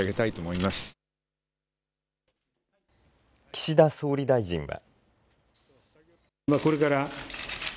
岸田総理大臣は。